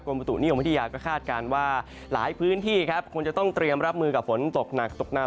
ประตุนิยมวิทยาก็คาดการณ์ว่าหลายพื้นที่ครับคงจะต้องเตรียมรับมือกับฝนตกหนักตกนาน